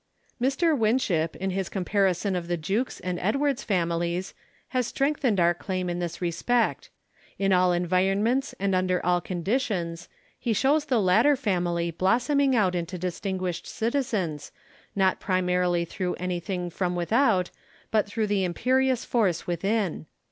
WHAT IT MEANS 59 Mr. Winship in his comparison of the Jukes and Ed wards families has strengthened our claim in this re spect. In all environments and under all conditions, he shows the latter family blossoming out into distin guished citizens, not primarily through anything from without but through the imperious force within.